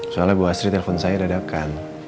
soalnya bu astri telpon saya dadakan